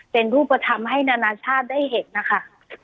เป็นรูปธรรมให้นานาชาติได้เห็นนะคะ